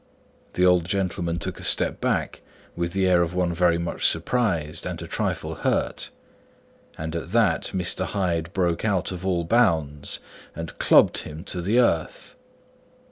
The old gentleman took a step back, with the air of one very much surprised and a trifle hurt; and at that Mr. Hyde broke out of all bounds and clubbed him to the earth.